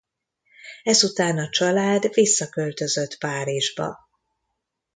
Ezután a család visszaköltözött Párizsba.